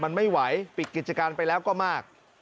มันไม่ไหวปิดกิจการไปแล้วก็มาก